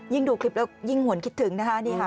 ยิ่งดูคลิปยิ่งหวนคิดถึงนะคะ